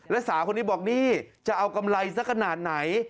และสาวคนนี้บอกนี่จะเอากำไรสักขนาดไหน